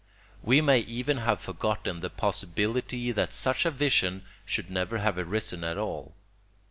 We may even have forgotten the possibility that such a vision should never have arisen at all.